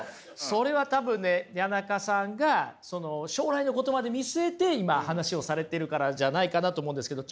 それは多分ね谷中さんが将来のことまで見据えて今話をされてるからじゃないかなと思うんですけど。